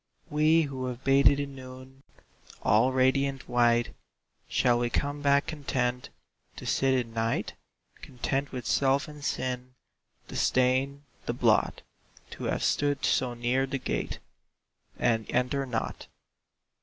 We who have bathed in noon, All radiant white, Shall we come back content To sit in night? Content with self and sin, The stain, the blot? To have stood so near the gate And enter not?